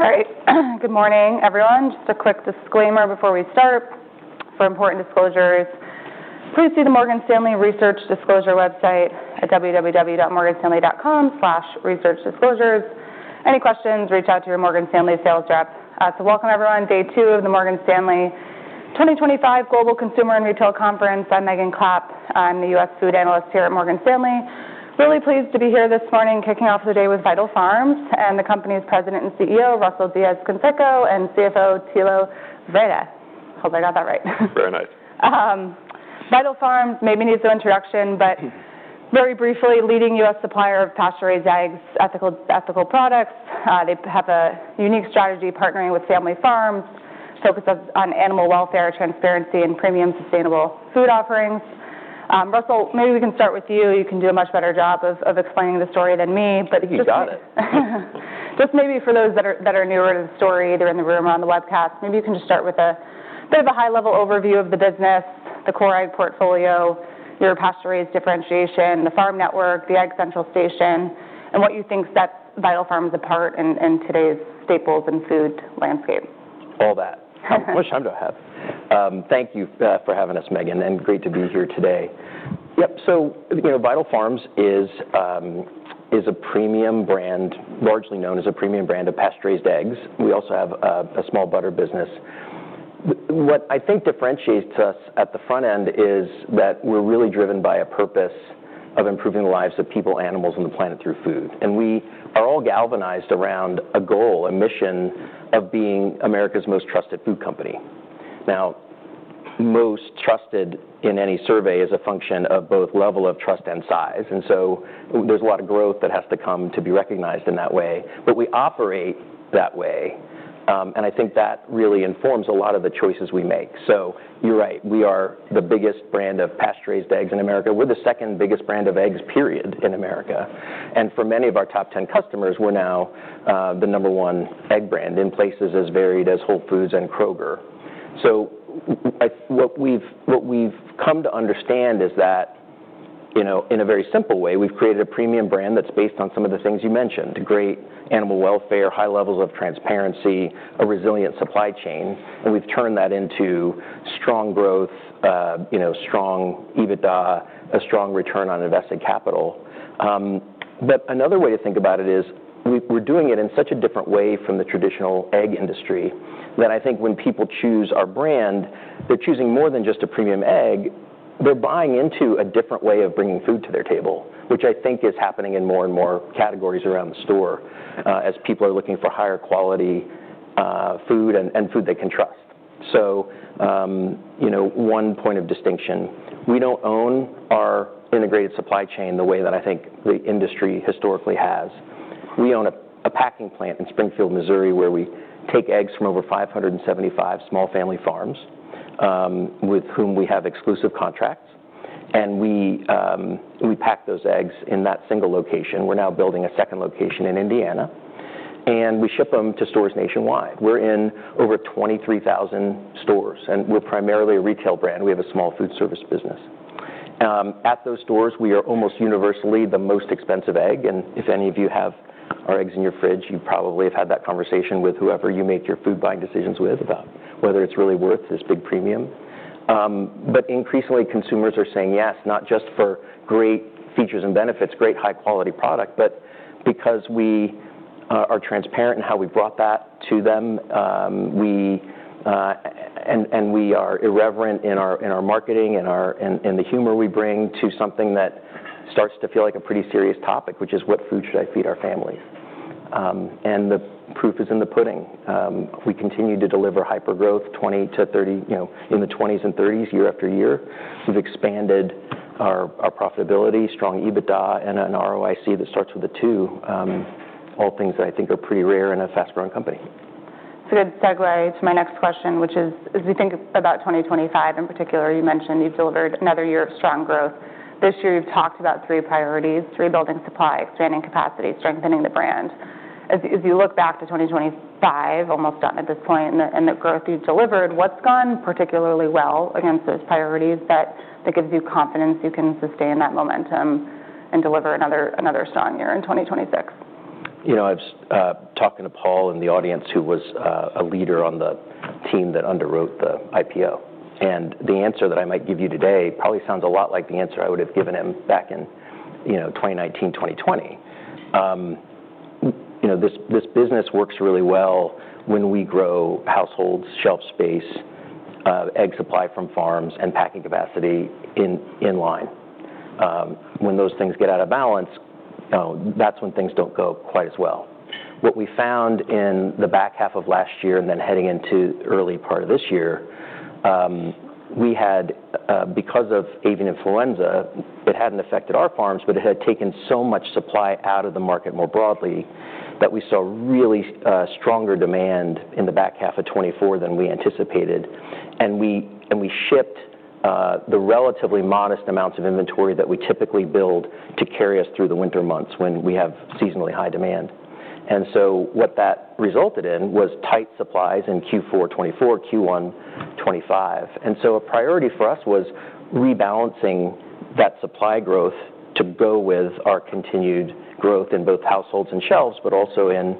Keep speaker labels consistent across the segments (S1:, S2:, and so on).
S1: All right. Good morning, everyone. Just a quick disclaimer before we start for important disclosures. Please see the Morgan Stanley Research Disclosure website at www.morganstanley.com/researchdisclosures. Any questions, reach out to your Morgan Stanley sales rep. So welcome, everyone. Day two of the Morgan Stanley 2025 Global Consumer and Retail Conference. I'm Megan Clapp. I'm the U.S. food analyst here at Morgan Stanley. Really pleased to be here this morning, kicking off the day with Vital Farms and the company's President and CEO, Russell Diez-Canseco, and CFO, Thilo Wrede. Hope I got that right.
S2: Very nice.
S1: Vital Farms maybe needs no introduction, but very briefly, leading U.S. supplier of pasture-raised eggs, ethical products. They have a unique strategy partnering with family farms, focused on animal welfare, transparency, and premium sustainable food offerings. Russell, maybe we can start with you. You can do a much better job of explaining the story than me, but you've got it.
S2: You got it.
S1: Just maybe for those that are newer to the story, they're in the room on the webcast. Maybe you can just start with a bit of a high-level overview of the business, the core egg portfolio, your pasture-raised differentiation, the farm network, the Egg Central Station, and what you think sets Vital Farms apart in today's staples and food landscape.
S2: Thank you for having us, Megan, and great to be here today. Yep. So Vital Farms is a premium brand, largely known as a premium brand of pasture-raised eggs. We also have a small butter business. What I think differentiates us at the front end is that we're really driven by a purpose of improving the lives of people, animals, and the planet through food. And we are all galvanized around a goal, a mission of being America's most trusted food company. Now, most trusted in any survey is a function of both level of trust and size. And so there's a lot of growth that has to come to be recognized in that way. But we operate that way. And I think that really informs a lot of the choices we make. So you're right. We are the biggest brand of pasture-raised eggs in America. We're the second biggest brand of eggs, period, in America. And for many of our top 10 customers, we're now the number one egg brand in places as varied as Whole Foods and Kroger. So what we've come to understand is that in a very simple way, we've created a premium brand that's based on some of the things you mentioned: great animal welfare, high levels of transparency, a resilient supply chain. And we've turned that into strong growth, strong EBITDA, a strong return on invested capital. But another way to think about it is we're doing it in such a different way from the traditional egg industry that I think when people choose our brand, they're choosing more than just a premium egg. They're buying into a different way of bringing food to their table, which I think is happening in more and more categories around the store as people are looking for higher quality food and food they can trust, so one point of distinction, we don't own our integrated supply chain the way that I think the industry historically has. We own a packing plant in Springfield, Missouri, where we take eggs from over 575 small family farms with whom we have exclusive contracts, and we pack those eggs in that single location. We're now building a second location in Indiana, and we ship them to stores nationwide. We're in over 23,000 stores, and we're primarily a retail brand. We have a small food service business. At those stores, we are almost universally the most expensive egg. And if any of you have our eggs in your fridge, you probably have had that conversation with whoever you make your food buying decisions with about whether it's really worth this big premium. But increasingly, consumers are saying yes, not just for great features and benefits, great high-quality product, but because we are transparent in how we brought that to them. And we are irreverent in our marketing and the humor we bring to something that starts to feel like a pretty serious topic, which is, "What food should I feed our families?" And the proof is in the pudding. We continue to deliver hyper growth in the 20s and 30s year after year. We've expanded our profitability, strong EBITDA, and an ROIC that starts with a two, all things that I think are pretty rare in a fast-growing company.
S1: It's a good segue to my next question, which is, as we think about 2025 in particular, you mentioned you've delivered another year of strong growth. This year, you've talked about three priorities: rebuilding supply, expanding capacity, strengthening the brand. As you look back to 2025, almost done at this point, and the growth you've delivered, what's gone particularly well against those priorities that gives you confidence you can sustain that momentum and deliver another strong year in 2026?
S2: You know, I was talking to Paul in the audience, who was a leader on the team that underwrote the IPO, and the answer that I might give you today probably sounds a lot like the answer I would have given him back in 2019, 2020. This business works really well when we grow households, shelf space, egg supply from farms, and packing capacity in line. When those things get out of balance, that's when things don't go quite as well. What we found in the back half of last year and then heading into the early part of this year, we had, because of Avian Influenza, it hadn't affected our farms, but it had taken so much supply out of the market more broadly that we saw really stronger demand in the back half of 2024 than we anticipated. And we shipped the relatively modest amounts of inventory that we typically build to carry us through the winter months when we have seasonally high demand. And so what that resulted in was tight supplies in Q4 2024, Q1 2025. And so a priority for us was rebalancing that supply growth to go with our continued growth in both households and shelves, but also in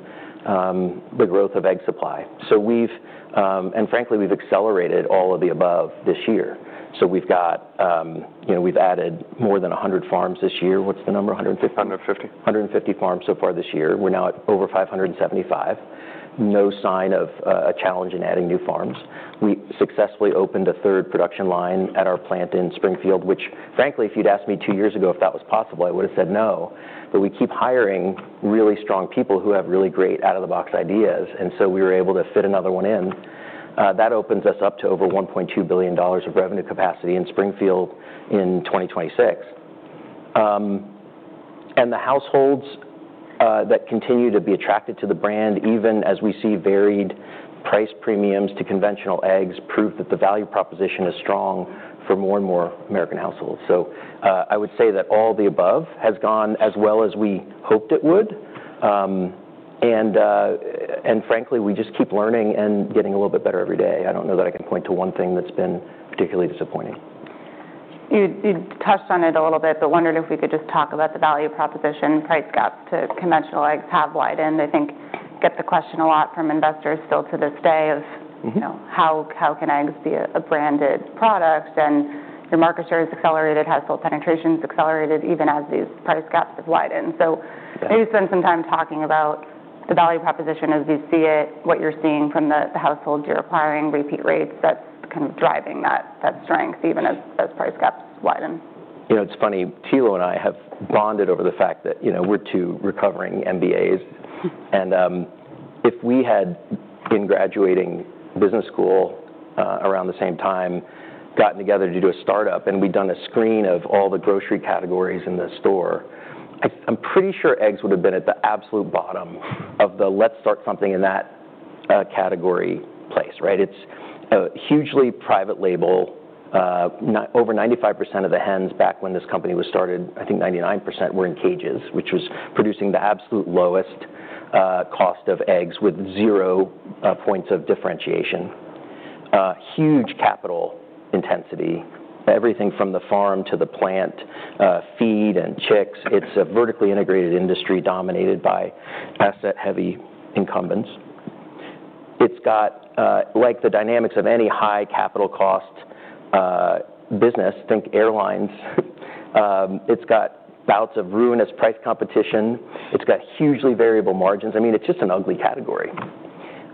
S2: the growth of egg supply. And frankly, we've accelerated all of the above this year. So we've added more than 100 farms this year. What's the number? 150?
S3: 150.
S2: 150 farms so far this year. We're now at over 575. No sign of a challenge in adding new farms. We successfully opened a third production line at our plant in Springfield, which, frankly, if you'd asked me two years ago if that was possible, I would have said no. But we keep hiring really strong people who have really great out-of-the-box ideas. And so we were able to fit another one in. That opens us up to over $1.2 billion of revenue capacity in Springfield in 2026. And the households that continue to be attracted to the brand, even as we see varied price premiums to conventional eggs, prove that the value proposition is strong for more and more American households. So I would say that all the above has gone as well as we hoped it would. Frankly, we just keep learning and getting a little bit better every day. I don't know that I can point to one thing that's been particularly disappointing.
S1: You touched on it a little bit, but wondered if we could just talk about the value proposition. Price gaps to conventional eggs have widened. I think we get the question a lot from investors still to this day of, "How can eggs be a branded product?" And your market share has accelerated, household penetrations accelerated, even as these price gaps have widened. So maybe spend some time talking about the value proposition as we see it, what you're seeing from the households you're acquiring, repeat rates that's kind of driving that strength, even as price gaps widen.
S2: You know, it's funny. Thilo and I have bonded over the fact that we're two recovering MBAs. And if we had, in graduating business school around the same time, gotten together to do a startup and we'd done a screen of all the grocery categories in the store, I'm pretty sure eggs would have been at the absolute bottom of the, "Let's start something in that category" place. Right? It's a hugely private label. Over 95% of the hens back when this company was started, I think 99%, were in cages, which was producing the absolute lowest cost of eggs with zero points of differentiation. Huge capital intensity. Everything from the farm to the plant, feed and chicks, it's a vertically integrated industry dominated by asset-heavy incumbents. It's got, like the dynamics of any high capital cost business, think airlines. It's got bouts of ruinous price competition. It's got hugely variable margins. I mean, it's just an ugly category.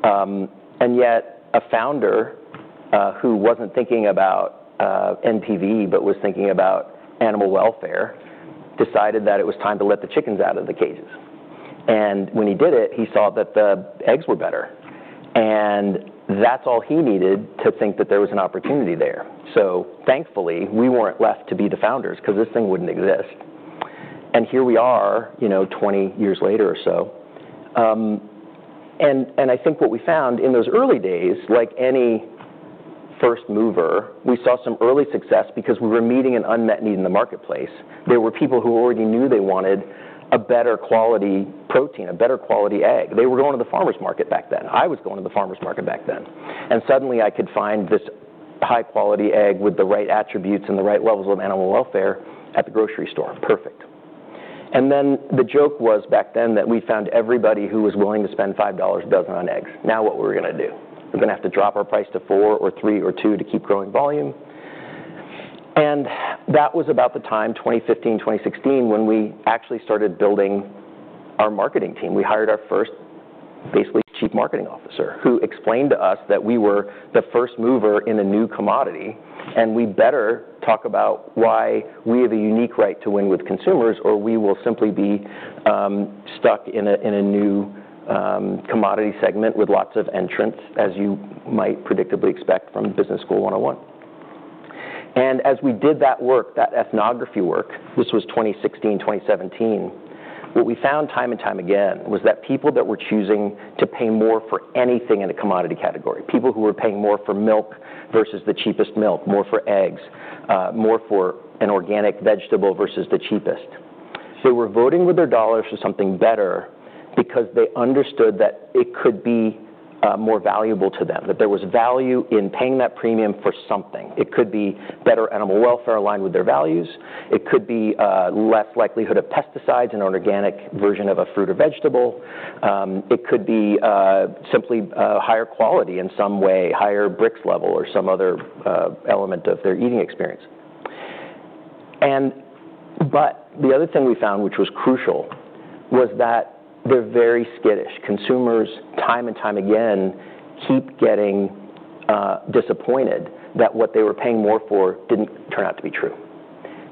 S2: And yet a founder who wasn't thinking about NPV, but was thinking about animal welfare, decided that it was time to let the chickens out of the cages. And when he did it, he saw that the eggs were better. And that's all he needed to think that there was an opportunity there. So thankfully, we weren't left to be the founders because this thing wouldn't exist. And here we are, 20 years later or so. And I think what we found in those early days, like any first mover, we saw some early success because we were meeting an unmet need in the marketplace. There were people who already knew they wanted a better quality protein, a better quality egg. They were going to the farmer's market back then. I was going to the farmer's market back then, and suddenly, I could find this high-quality egg with the right attributes and the right levels of animal welfare at the grocery store. Perfect, and then the joke was back then that we found everybody who was willing to spend $5 a dozen on eggs. Now what were we going to do? We're going to have to drop our price to four or three or two to keep growing volume, and that was about the time, 2015, 2016, when we actually started building our marketing team. We hired our first, basically, chief marketing officer who explained to us that we were the first mover in a new commodity. And we better talk about why we have a unique right to win with consumers, or we will simply be stuck in a new commodity segment with lots of entrants, as you might predictably expect from Business School 101. And as we did that work, that ethnography work, this was 2016, 2017, what we found time and time again was that people that were choosing to pay more for anything in a commodity category, people who were paying more for milk versus the cheapest milk, more for eggs, more for an organic vegetable versus the cheapest, they were voting with their dollars for something better because they understood that it could be more valuable to them, that there was value in paying that premium for something. It could be better animal welfare aligned with their values. It could be less likelihood of pesticides in an organic version of a fruit or vegetable. It could be simply higher quality in some way, higher Brix level or some other element of their eating experience, but the other thing we found, which was crucial, was that they're very skittish. Consumers, time and time again, keep getting disappointed that what they were paying more for didn't turn out to be true,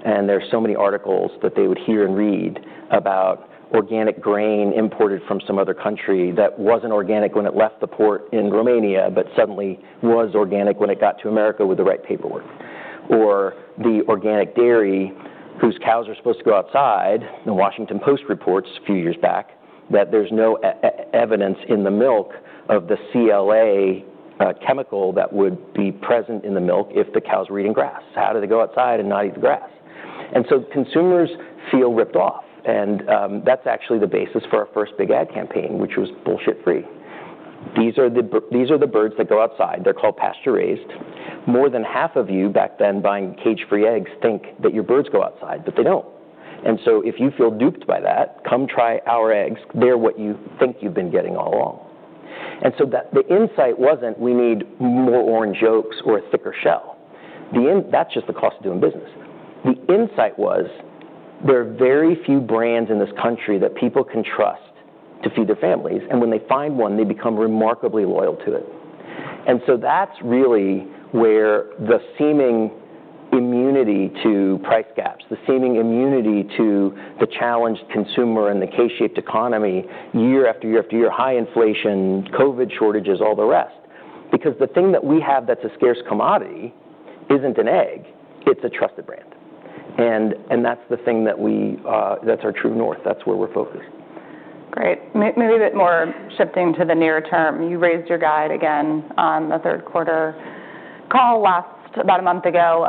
S2: and there are so many articles that they would hear and read about organic grain imported from some other country that wasn't organic when it left the port in Romania, but suddenly was organic when it got to America with the right paperwork. Or the organic dairy whose cows are supposed to go outside. The Washington Post reports a few years back that there's no evidence in the milk of the CLA chemical that would be present in the milk if the cows were eating grass. How do they go outside and not eat the grass? Consumers feel ripped off. That's actually the basis for our first big egg campaign, which was bullshit-free. These are the birds that go outside. They're called pasture-raised. More than half of you back then buying cage-free eggs think that your birds go outside, but they don't. If you feel duped by that, come try our eggs. They're what you think you've been getting all along. The insight wasn't we need more orange yolks or a thicker shell. That's just the cost of doing business. The insight was there are very few brands in this country that people can trust to feed their families. When they find one, they become remarkably loyal to it. So that's really where the seeming immunity to price gaps, the seeming immunity to the challenged consumer and the K-shaped economy, year after year after year, high inflation, COVID shortages, all the rest. Because the thing that we have that's a scarce commodity isn't an egg. It's a trusted brand. And that's the thing that we, that's our true north. That's where we're focused.
S1: Great. Maybe a bit more shifting to the near term. You raised your guide again on the third quarter call last about a month ago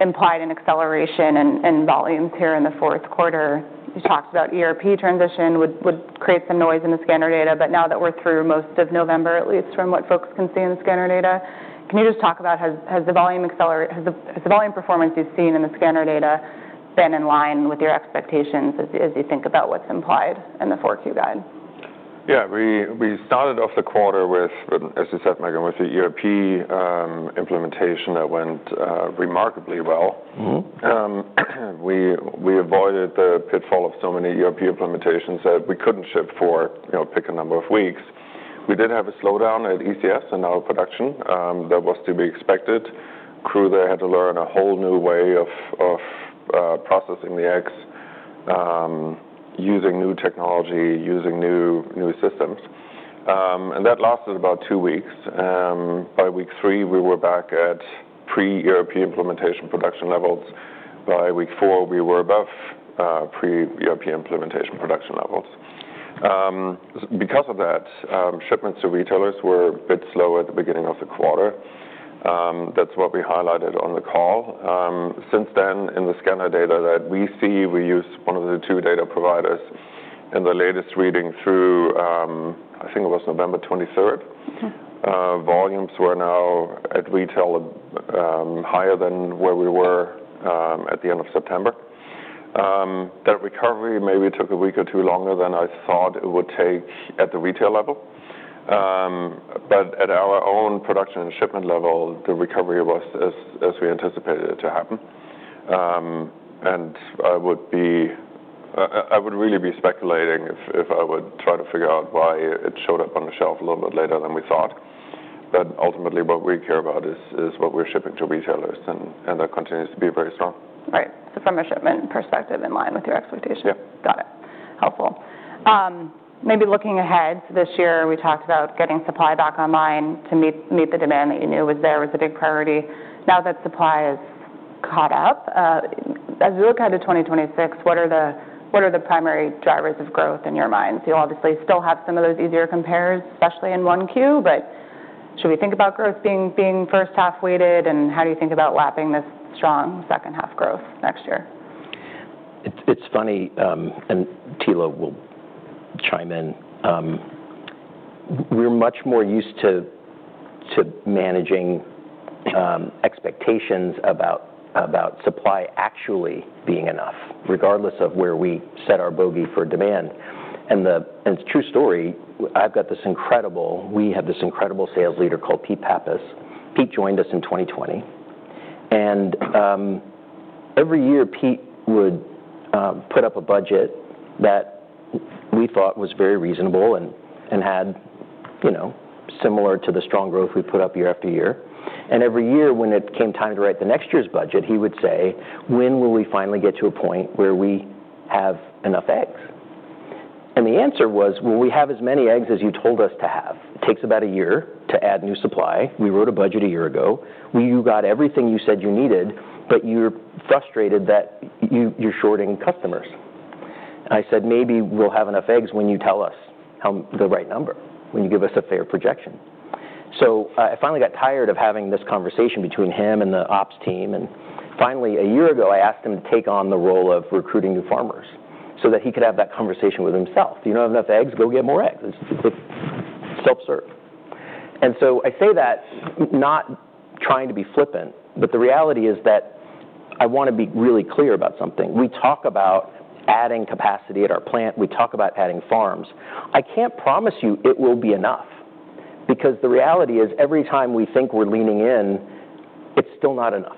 S1: implied an acceleration in volumes here in the fourth quarter. You talked about ERP transition would create some noise in the scanner data. But now that we're through most of November, at least from what folks can see in the scanner data, can you just talk about has the volume performance you've seen in the scanner data been in line with your expectations as you think about what's implied in the four-Q guide?
S3: Yeah. We started off the quarter with, as you said, Megan, with the ERP implementation that went remarkably well. We avoided the pitfall of so many ERP implementations that we couldn't ship for a pick a number of weeks. We did have a slowdown at ECS and our production that was to be expected. The crew there had to learn a whole new way of processing the eggs, using new technology, using new systems. That lasted about two weeks. By week three, we were back at pre-ERP implementation production levels. By week four, we were above pre-ERP implementation production levels. Because of that, shipments to retailers were a bit slow at the beginning of the quarter. That's what we highlighted on the call. Since then, in the scanner data that we see, we use one of the two data providers. In the latest reading through, I think it was November 23rd, volumes were now at retail higher than where we were at the end of September. That recovery maybe took a week or two longer than I thought it would take at the retail level. But at our own production and shipment level, the recovery was as we anticipated it to happen. I would really be speculating if I would try to figure out why it showed up on the shelf a little bit later than we thought. But ultimately, what we care about is what we're shipping to retailers. And that continues to be very strong.
S1: Right, so from a shipment perspective, in line with your expectations.
S3: Yep.
S1: Got it. Helpful. Maybe looking ahead, so this year we talked about getting supply back online to meet the demand that you knew was there, was a big priority. Now that supply has caught up, as we look ahead to 2026, what are the primary drivers of growth in your mind? So you obviously still have some of those easier comps, especially in Q1. But should we think about growth being first half weighted? And how do you think about lapping this strong second half growth next year?
S2: It's funny, and Thilo will chime in. We're much more used to managing expectations about supply actually being enough, regardless of where we set our bogey for demand. And it's a true story. We have this incredible sales leader called Pete Pappas. Pete joined us in 2020. And every year, Pete would put up a budget that we thought was very reasonable and had similar to the strong growth we put up year after year. And every year, when it came time to write the next year's budget, he would say, "When will we finally get to a point where we have enough eggs?" And the answer was, "Well, we have as many eggs as you told us to have. It takes about a year to add new supply. We wrote a budget a year ago. You got everything you said you needed, but you're frustrated that you're shorting customers." I said, "Maybe we'll have enough eggs when you tell us the right number, when you give us a fair projection." So I finally got tired of having this conversation between him and the ops team. And finally, a year ago, I asked him to take on the role of recruiting new farmers so that he could have that conversation with himself. "You don't have enough eggs? Go get more eggs." Self-serve. And so I say that not trying to be flippant, but the reality is that I want to be really clear about something. We talk about adding capacity at our plant. We talk about adding farms. I can't promise you it will be enough. Because the reality is, every time we think we're leaning in, it's still not enough.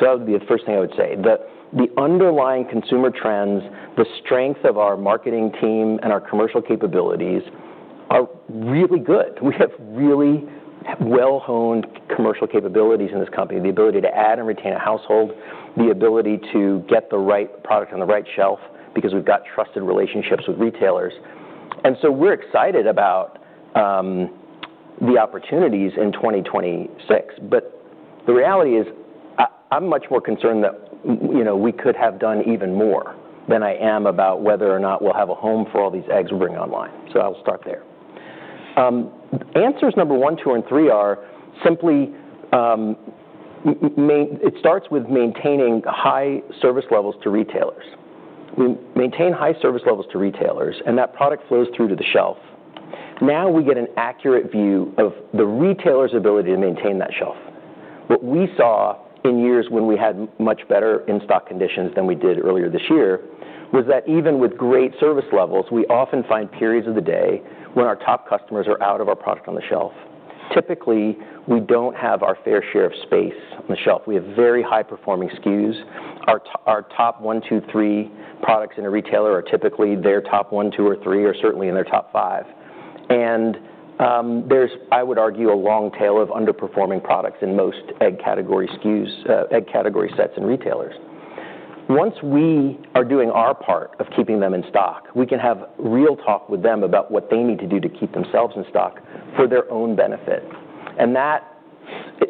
S2: That would be the first thing I would say. The underlying consumer trends, the strength of our marketing team and our commercial capabilities are really good. We have really well-honed commercial capabilities in this company, the ability to add and retain a household, the ability to get the right product on the right shelf because we've got trusted relationships with retailers. We're excited about the opportunities in 2026. The reality is, I'm much more concerned that we could have done even more than I am about whether or not we'll have a home for all these eggs we're bringing online. I'll start there. Answers number one, two, and three are simply it starts with maintaining high service levels to retailers. We maintain high service levels to retailers, and that product flows through to the shelf. Now we get an accurate view of the retailer's ability to maintain that shelf. What we saw in years when we had much better in-stock conditions than we did earlier this year was that even with great service levels, we often find periods of the day when our top customers are out of our product on the shelf. Typically, we don't have our fair share of space on the shelf. We have very high-performing SKUs. Our top one, two, three products in a retailer are typically their top one, two, or three, or certainly in their top five. And there's, I would argue, a long tail of underperforming products in most egg category SKUs, egg category sets in retailers. Once we are doing our part of keeping them in stock, we can have real talk with them about what they need to do to keep themselves in stock for their own benefit. And that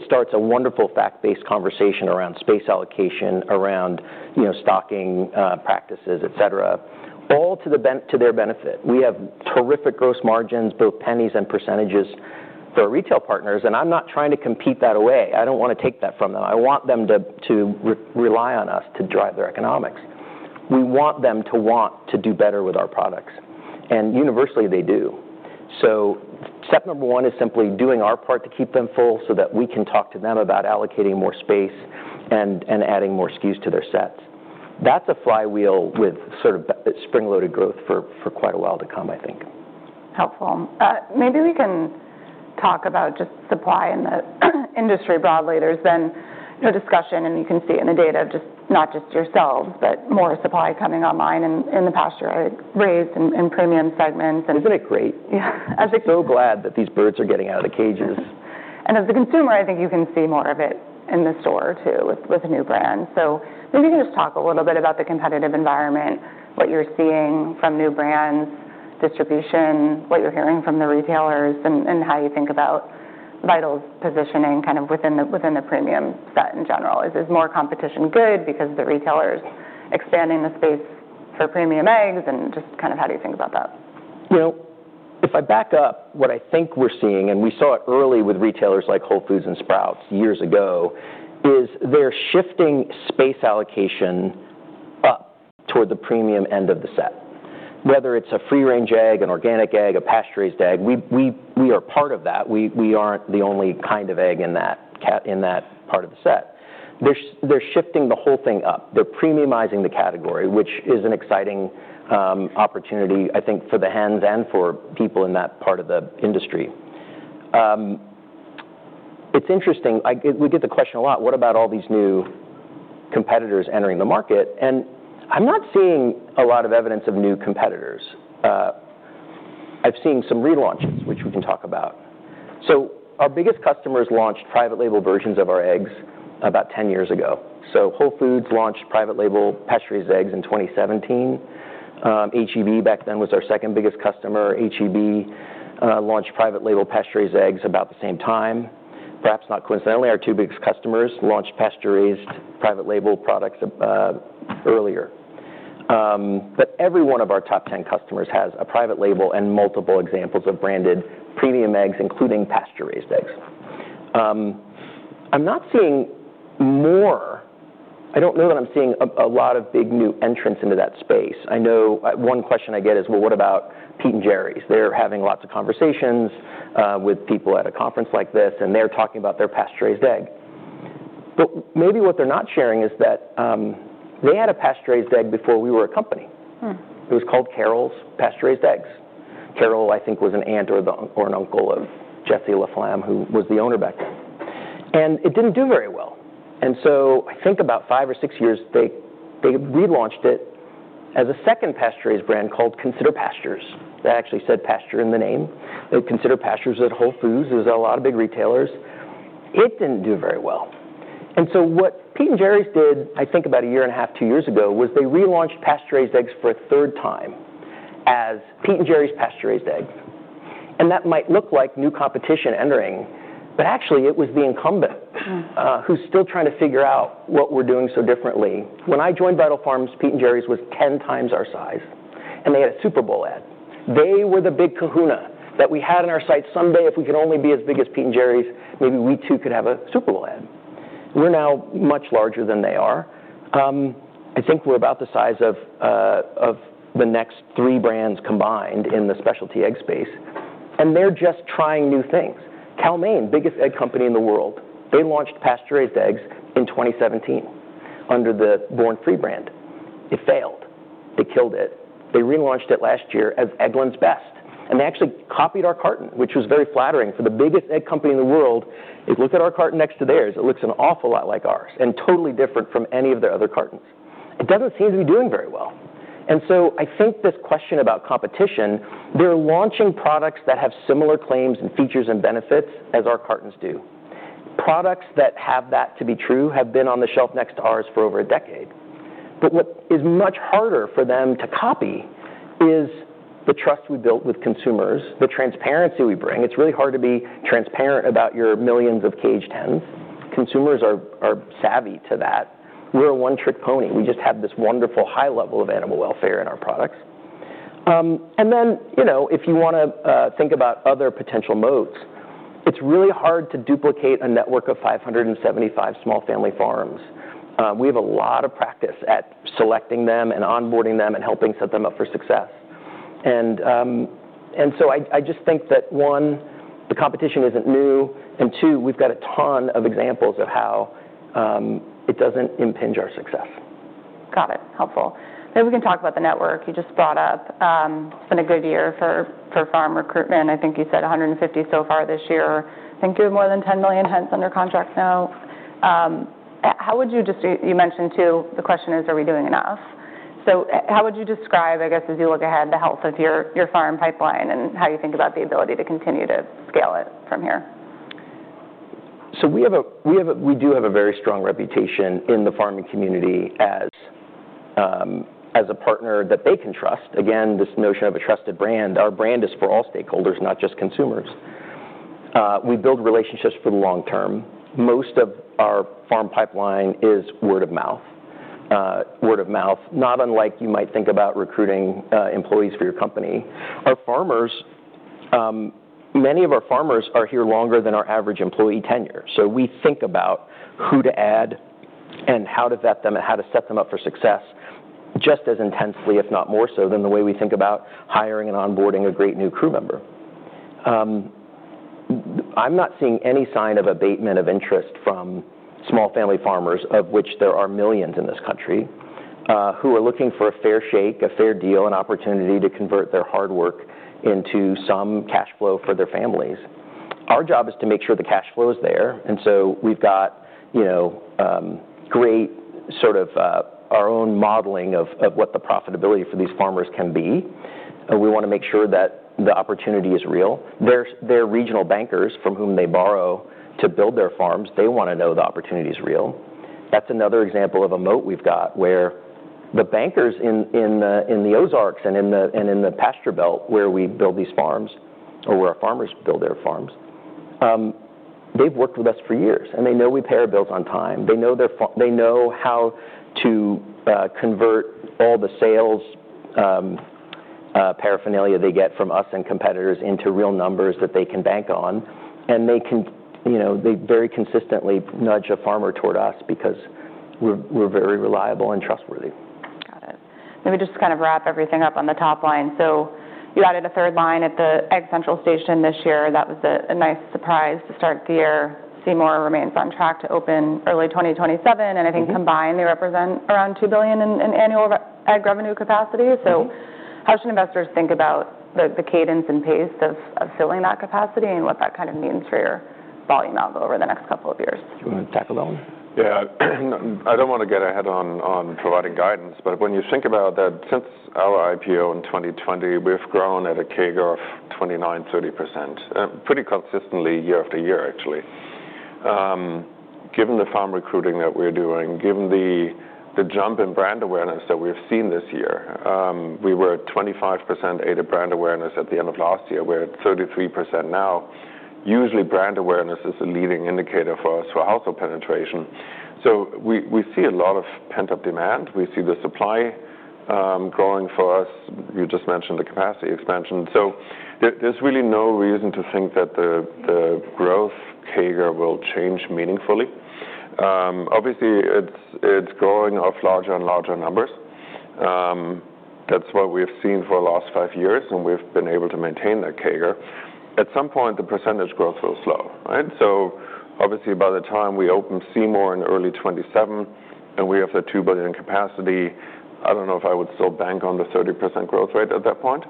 S2: starts a wonderful fact-based conversation around space allocation, around stocking practices, et cetera, all to their benefit. We have terrific gross margins, both pennies and percentages for our retail partners. And I'm not trying to compete that away. I don't want to take that from them. I want them to rely on us to drive their economics. We want them to want to do better with our products. And universally, they do. So step number one is simply doing our part to keep them full so that we can talk to them about allocating more space and adding more SKUs to their sets. That's a flywheel with sort of spring-loaded growth for quite a while to come, I think.
S1: Helpful. Maybe we can talk about just supply in the industry broadly. There's been discussion, and you can see it in the data, not just yourselves, but more supply coming online in the pasture-raised and premium segments.
S2: Isn't it great?
S1: Yeah.
S2: I'm so glad that these birds are getting out of the cages.
S1: And as a consumer, I think you can see more of it in the store, too, with new brands. So maybe we can just talk a little bit about the competitive environment, what you're seeing from new brands, distribution, what you're hearing from the retailers, and how you think about Vital's positioning kind of within the premium set in general. Is more competition good because of the retailers expanding the space for premium eggs? And just kind of how do you think about that?
S2: If I back up what I think we're seeing, and we saw it early with retailers like Whole Foods and Sprouts years ago, is they're shifting space allocation up toward the premium end of the set. Whether it's a free-range egg, an organic egg, a pasture-raised egg, we are part of that. We aren't the only kind of egg in that part of the set. They're shifting the whole thing up. They're premiumizing the category, which is an exciting opportunity, I think, for the hens and for people in that part of the industry. It's interesting. We get the question a lot. What about all these new competitors entering the market? I'm not seeing a lot of evidence of new competitors. I've seen some relaunches, which we can talk about. Our biggest customers launched private label versions of our eggs about 10 years ago. So Whole Foods launched private label pasture-raised eggs in 2017. HEB back then was our second biggest customer. HEB launched private label pasture-raised eggs about the same time. Perhaps not coincidentally, our two biggest customers launched pasture-raised private label products earlier. But every one of our top 10 customers has a private label and multiple examples of branded premium eggs, including pasture-raised eggs. I'm not seeing more. I don't know that I'm seeing a lot of big new entrants into that space. I know one question I get is, well, what about Pete & Gerry's? They're having lots of conversations with people at a conference like this, and they're talking about their pasture-raised egg. But maybe what they're not sharing is that they had a pasture-raised egg before we were a company. It was called Carol's Pasture-Raised Eggs. Carol, I think, was an aunt or an uncle of Jesse LaFlamme, who was the owner back then, and it didn't do very well. So I think about five or six years, they relaunched it as a second pasture-raised brand called Consider Pastures. That actually said pasture in the name. Consider Pastures at Whole Foods and a lot of big retailers. It didn't do very well. So what Pete & Gerry's did, I think about a year and a half, two years ago, was they relaunched pasture-raised eggs for a third time as Pete & Gerry's Pasture-Raised Eggs. And that might look like new competition entering, but actually, it was the incumbent who's still trying to figure out what we're doing so differently. When I joined Vital Farms, Pete & Gerry's was 10x our size, and they had a Super Bowl ad. They were the big kahuna that we had in our sight. Someday, if we could only be as big as Pete & Gerry's, maybe we too could have a Super Bowl ad. We're now much larger than they are. I think we're about the size of the next three brands combined in the specialty egg space, and they're just trying new things. Cal-Maine, biggest egg company in the world, they launched pasture-raised eggs in 2017 under the Born Free brand. It failed. They killed it. They relaunched it last year as Eggland's Best, and they actually copied our carton, which was very flattering for the biggest egg company in the world. They look at our carton next to theirs. It looks an awful lot like ours and totally different from any of their other cartons. It doesn't seem to be doing very well. And so I think this question about competition, they're launching products that have similar claims and features and benefits as our cartons do. Products that have that to be true have been on the shelf next to ours for over a decade. But what is much harder for them to copy is the trust we built with consumers, the transparency we bring. It's really hard to be transparent about your millions of caged hens. Consumers are savvy to that. We're a one-trick pony. We just have this wonderful high level of animal welfare in our products. And then if you want to think about other potential moats, it's really hard to duplicate a network of 575 small family farms. We have a lot of practice at selecting them and onboarding them and helping set them up for success. And so I just think that, one, the competition isn't new. Two, we've got a ton of examples of how it doesn't impinge our success.
S1: Got it. Helpful. Maybe we can talk about the network you just brought up. It's been a good year for farm recruitment. I think you said 150 so far this year. I think you have more than 10 million hens under contract now. How would you just you mentioned, too, the question is, are we doing enough? So how would you describe, I guess, as you look ahead, the health of your farm pipeline and how you think about the ability to continue to scale it from here?
S2: So we do have a very strong reputation in the farming community as a partner that they can trust. Again, this notion of a trusted brand. Our brand is for all stakeholders, not just consumers. We build relationships for the long term. Most of our farm pipeline is word of mouth. Word of mouth, not unlike you might think about recruiting employees for your company. Many of our farmers are here longer than our average employee tenure. So we think about who to add and how to vet them and how to set them up for success just as intensely, if not more so, than the way we think about hiring and onboarding a great new crew member. I'm not seeing any sign of abatement of interest from small family farmers, of which there are millions in this country, who are looking for a fair shake, a fair deal, an opportunity to convert their hard work into some cash flow for their families. Our job is to make sure the cash flow is there. And so we've got great sort of our own modeling of what the profitability for these farmers can be. We want to make sure that the opportunity is real. Their regional bankers from whom they borrow to build their farms, they want to know the opportunity is real. That's another example of a moat we've got where the bankers in the Ozarks and in the pasture belt where we build these farms, or where our farmers build their farms, they've worked with us for years, and they know we pay our bills on time. They know how to convert all the sales paraphernalia they get from us and competitors into real numbers that they can bank on. And they very consistently nudge a farmer toward us because we're very reliable and trustworthy.
S1: Got it. Let me just kind of wrap everything up on the top line. So you added a third line at the Egg Central Station this year. That was a nice surprise to start the year. Seymour remains on track to open early 2027. And I think combined, they represent around $2 billion in annual egg revenue capacity. So how should investors think about the cadence and pace of filling that capacity and what that kind of means for your volume outlook over the next couple of years?
S2: Do you want to tackle that one?
S3: Yeah. I don't want to get ahead on providing guidance, but when you think about that, since our IPO in 2020, we've grown at a CAGR of 29-30%, pretty consistently year after year, actually. Given the farm recruiting that we're doing, given the jump in brand awareness that we've seen this year, we were at 25% aided brand awareness at the end of last year. We're at 33% now. Usually, brand awareness is a leading indicator for us for household penetration. So we see a lot of pent-up demand. We see the supply growing for us. You just mentioned the capacity expansion. So there's really no reason to think that the growth CAGR will change meaningfully. Obviously, it's growing off larger and larger numbers. That's what we've seen for the last five years, and we've been able to maintain that CAGR. At some point, the percentage growth will slow, right, so obviously, by the time we open Seymour in early 2027 and we have the 2 billion capacity, I don't know if I would still bank on the 30% growth rate at that point,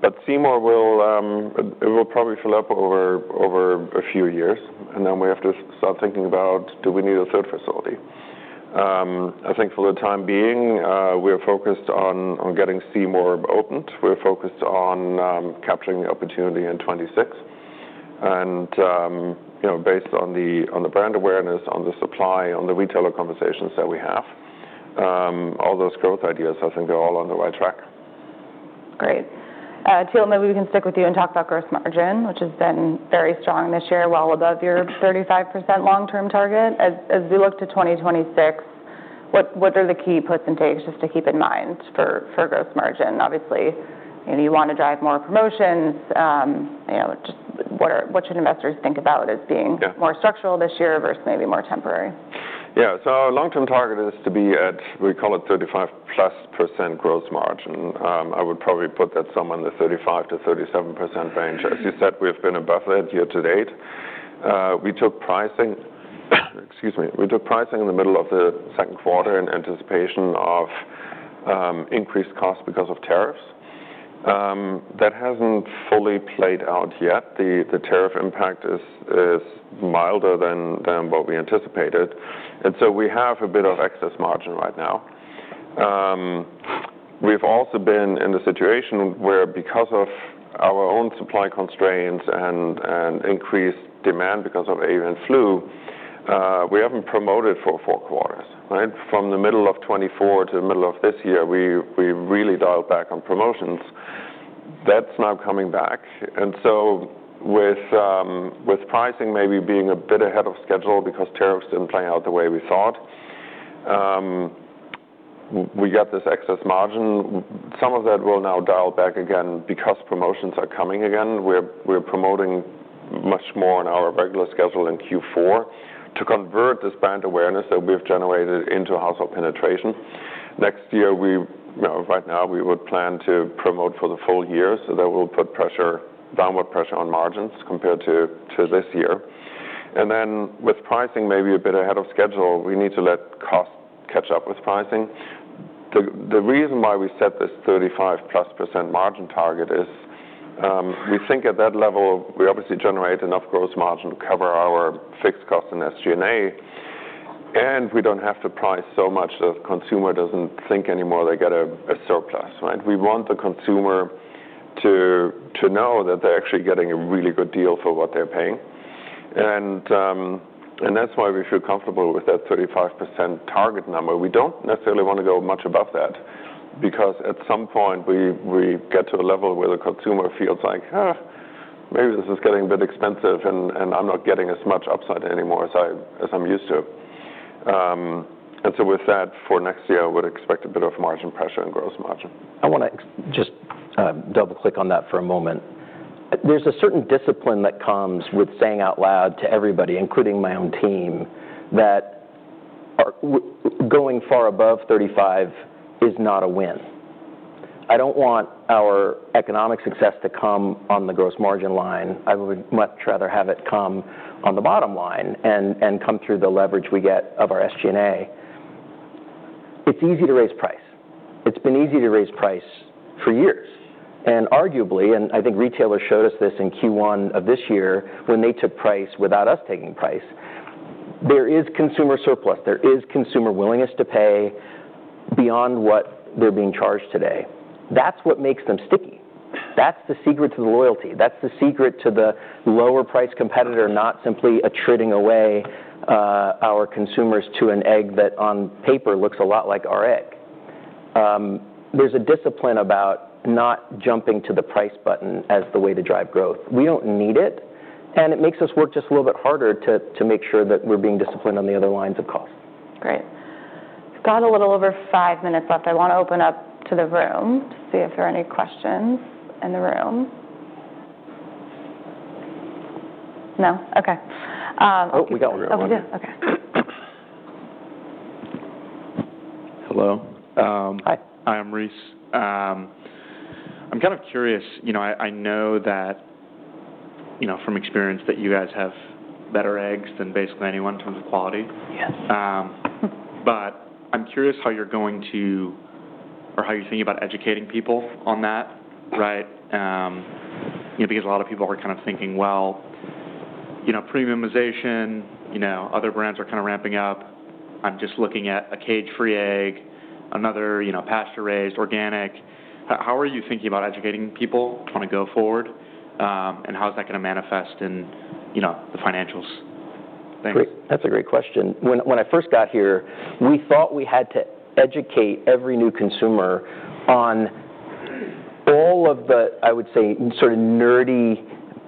S3: but Seymour will probably fill up over a few years, and then we have to start thinking about, do we need a third facility? I think for the time being, we are focused on getting Seymour opened. We're focused on capturing the opportunity in 2026, and based on the brand awareness, on the supply, on the retailer conversations that we have, all those growth ideas, I think, are all on the right track.
S1: Great. Thilo, maybe we can stick with you and talk about gross margin, which has been very strong this year, well above your 35% long-term target. As we look to 2026, what are the key puts and takes just to keep in mind for gross margin? Obviously, you want to drive more promotions. Just what should investors think about as being more structural this year versus maybe more temporary?
S3: Yeah. So our long-term target is to be at, we call it 35+% gross margin. I would probably put that somewhere in the 35%-37% range. As you said, we've been above that year to date. We took pricing, excuse me, we took pricing in the middle of the second quarter in anticipation of increased costs because of tariffs. That hasn't fully played out yet. The tariff impact is milder than what we anticipated. And so we have a bit of excess margin right now. We've also been in the situation where, because of our own supply constraints and increased demand because of avian flu, we haven't promoted for four quarters, right? From the middle of 2024 to the middle of this year, we really dialed back on promotions. That's now coming back. With pricing maybe being a bit ahead of schedule because tariffs didn't play out the way we thought, we got this excess margin. Some of that will now dial back again because promotions are coming again. We're promoting much more on our regular schedule in Q4 to convert this brand awareness that we've generated into household penetration. Next year, right now, we would plan to promote for the full year. That will put downward pressure on margins compared to this year. Then with pricing maybe a bit ahead of schedule, we need to let costs catch up with pricing. The reason why we set this 35+% margin target is we think at that level, we obviously generate enough gross margin to cover our fixed costs in SG&A, and we don't have to price so much that the consumer doesn't think anymore they get a surplus, right? We want the consumer to know that they're actually getting a really good deal for what they're paying, and that's why we feel comfortable with that 35% target number. We don't necessarily want to go much above that because at some point, we get to a level where the consumer feels like, "Huh, maybe this is getting a bit expensive, and I'm not getting as much upside anymore as I'm used to," and so with that, for next year, I would expect a bit of margin pressure and gross margin.
S2: I want to just double-click on that for a moment. There's a certain discipline that comes with saying out loud to everybody, including my own team, that going far above 35 is not a win. I don't want our economic success to come on the gross margin line. I would much rather have it come on the bottom line and come through the leverage we get of our SG&A. It's easy to raise price. It's been easy to raise price for years. And arguably, and I think retailers showed us this in Q1 of this year when they took price without us taking price, there is consumer surplus. There is consumer willingness to pay beyond what they're being charged today. That's what makes them sticky. That's the secret to the loyalty. That's the secret to the lower-priced competitor, not simply attriting away our consumers to an egg that on paper looks a lot like our egg. There's a discipline about not jumping to the price button as the way to drive growth. We don't need it, and it makes us work just a little bit harder to make sure that we're being disciplined on the other lines of cost.
S1: Great. We've got a little over five minutes left. I want to open up to the room to see if there are any questions in the room. No? Okay.
S2: Oh, we got room.
S1: Oh, we do? Okay. Hello. Hi. I am Reese. I'm kind of curious. I know from experience that you guys have better eggs than basically anyone in terms of quality. But I'm curious how you're going to or how you're thinking about educating people on that, right? Because a lot of people are kind of thinking, "Well, premiumization, other brands are kind of ramping up. I'm just looking at a cage-free egg, another pasture-raised, organic." How are you thinking about educating people to want to go forward, and how is that going to manifest in the financials? Thanks.
S2: Great. That's a great question. When I first got here, we thought we had to educate every new consumer on all of the, I would say, sort of nerdy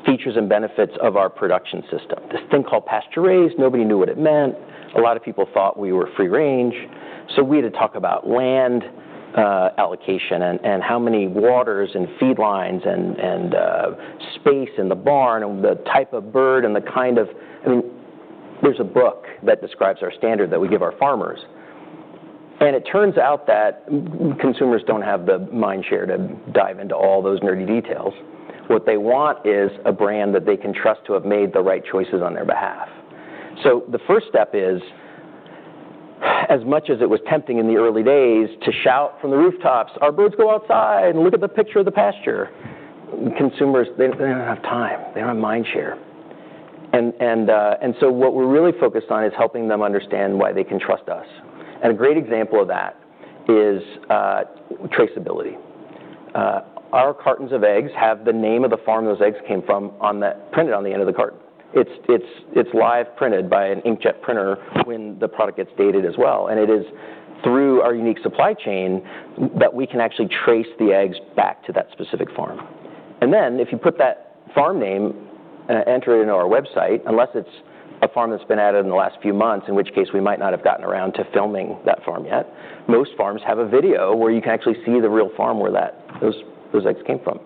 S2: features and benefits of our production system. This thing called pasture-raised, nobody knew what it meant. A lot of people thought we were free range. So we had to talk about land allocation and how many waters and feedlines and space in the barn and the type of bird and the kind of I mean, there's a book that describes our standard that we give our farmers. And it turns out that consumers don't have the mind share to dive into all those nerdy details. What they want is a brand that they can trust to have made the right choices on their behalf. So the first step is, as much as it was tempting in the early days to shout from the rooftops, "Our birds go outside. Look at the picture of the pasture." Consumers, they don't have time. They don't have mind share. And so what we're really focused on is helping them understand why they can trust us. And a great example of that is traceability. Our cartons of eggs have the name of the farm those eggs came from printed on the end of the carton. It's live printed by an inkjet printer when the product gets dated as well. And it is through our unique supply chain that we can actually trace the eggs back to that specific farm. Then if you put that farm name, enter it into our website, unless it's a farm that's been added in the last few months, in which case we might not have gotten around to filming that farm yet. Most farms have a video where you can actually see the real farm where those eggs came from.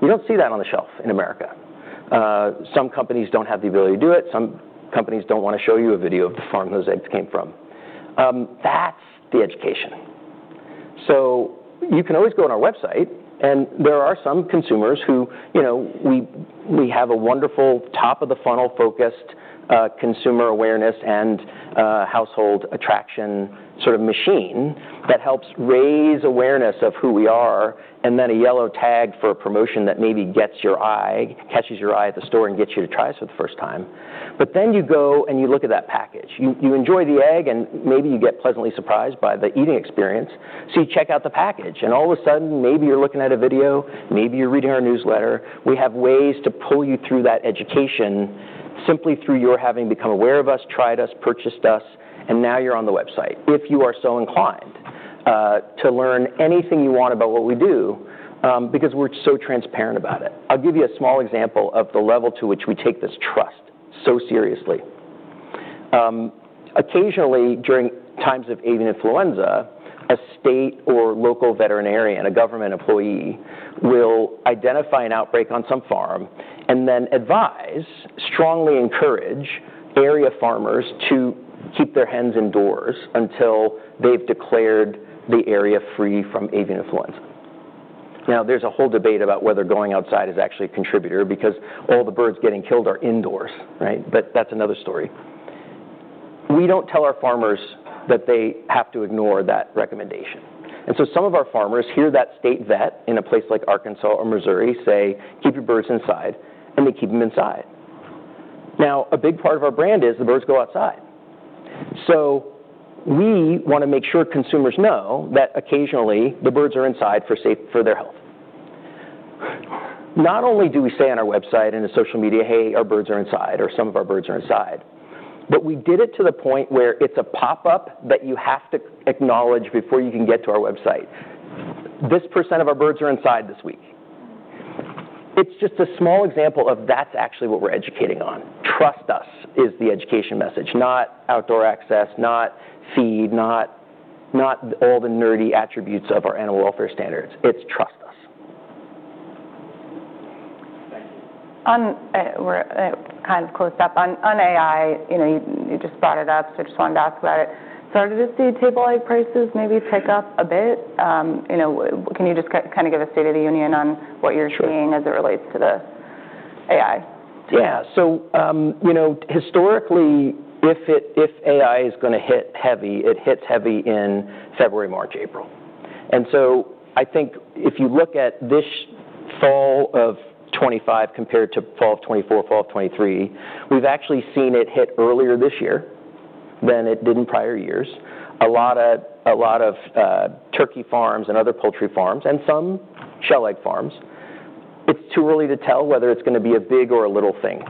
S2: You don't see that on the shelf in America. Some companies don't have the ability to do it. Some companies don't want to show you a video of the farm those eggs came from. That's the education. So you can always go on our website, and there are some consumers who we have a wonderful top-of-the-funnel-focused consumer awareness and household attraction sort of machine that helps raise awareness of who we are and then a yellow tag for a promotion that maybe catches your eye at the store and gets you to try us for the first time. But then you go and you look at that package. You enjoy the egg, and maybe you get pleasantly surprised by the eating experience. So you check out the package. And all of a sudden, maybe you're looking at a video, maybe you're reading our newsletter. We have ways to pull you through that education simply through your having become aware of us, tried us, purchased us, and now you're on the website if you are so inclined to learn anything you want about what we do because we're so transparent about it. I'll give you a small example of the level to which we take this trust so seriously. Occasionally, during times of Avian Influenza, a state or local veterinarian, a government employee, will identify an outbreak on some farm and then advise, strongly encourage area farmers to keep their hens indoors until they've declared the area free from Avian Influenza. Now, there's a whole debate about whether going outside is actually a contributor because all the birds getting killed are indoors, right? But that's another story. We don't tell our farmers that they have to ignore that recommendation. And so some of our farmers hear that state vet in a place like Arkansas or Missouri say, "Keep your birds inside," and they keep them inside. Now, a big part of our brand is the birds go outside. So we want to make sure consumers know that occasionally the birds are inside for their health. Not only do we say on our website and in social media, "Hey, our birds are inside," or "Some of our birds are inside," but we did it to the point where it's a pop-up that you have to acknowledge before you can get to our website. This percent of our birds are inside this week. It's just a small example of that's actually what we're educating on. "Trust us" is the education message, not outdoor access, not feed, not all the nerdy attributes of our animal welfare standards. It's "Trust us.
S1: We're kind of close up on AI. You just brought it up, so I just wanted to ask about it. Started to see table egg prices maybe pick up a bit. Can you just kind of give a state of the union on what you're seeing as it relates to the AI?
S2: Yeah. So historically, if AI is going to hit heavy, it hits heavy in February, March, April. And so I think if you look at this fall of 2025 compared to fall of 2024, fall of 2023, we've actually seen it hit earlier this year than it did in prior years. A lot of turkey farms and other poultry farms and some shell egg farms, it's too early to tell whether it's going to be a big or a little thing.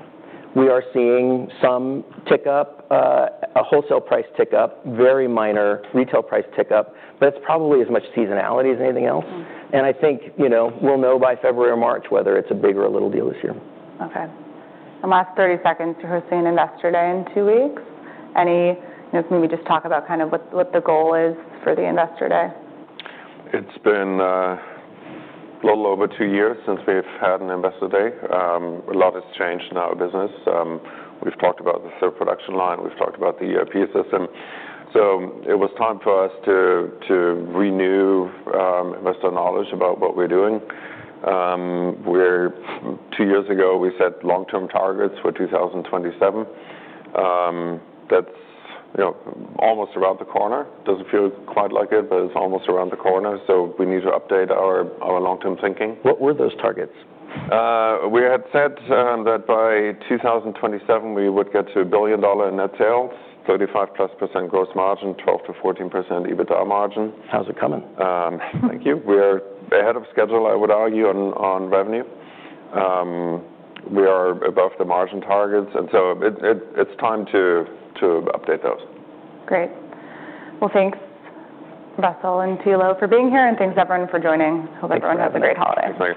S2: We are seeing some tick up, a wholesale price tick up, very minor retail price tick up, but it's probably as much seasonality as anything else. And I think we'll know by February or March whether it's a big or a little deal this year.
S1: Okay, and last 30 seconds to hosting an investor day in two weeks. Maybe just talk about kind of what the goal is for the investor day.
S3: It's been a little over two years since we've had an investor day. A lot has changed in our business. We've talked about the third production line. We've talked about the ERP system. So it was time for us to renew investor knowledge about what we're doing. Two years ago, we set long-term targets for 2027. That's almost around the corner. Doesn't feel quite like it, but it's almost around the corner. So we need to update our long-term thinking.
S2: What were those targets?
S3: We had said that by 2027, we would get to $1 billion net sales, 35+% gross margin, 12%-14% EBITDA margin.
S2: How's it coming?
S3: Thank you. We are ahead of schedule, I would argue, on revenue. We are above the margin targets. And so it's time to update those.
S1: Great. Well, thanks, Russell and Thilo for being here, and thanks, everyone, for joining. Hope everyone has a great holiday.